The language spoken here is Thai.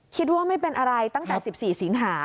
คิดว่าไม่เป็นอะไรตั้งแต่๑๔สิงหา